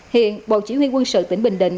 hiện bộ chỉ huy quân sự tỉnh bình định